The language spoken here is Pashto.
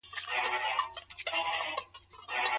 مرغۍ بې ځالې نه وي.